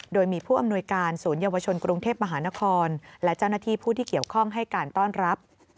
โดยมีผู้อำนวยการศูนยวชนกรุงเทพมหานครและเจ้าหน้าที่ผู้ที่เกี่ยวข้องให้การต้อนรับ